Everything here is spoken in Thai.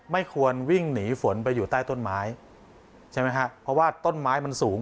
ไม่ควรวิ่งหนีฝนไปอยู่ใต้ต้นไม้ใช่ไหมฮะเพราะว่าต้นไม้มันสูง